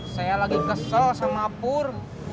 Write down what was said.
saya lagi kesel sama pur